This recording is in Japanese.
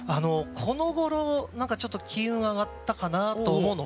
このごろなんかちょっと金運が上がったかなと思うのが。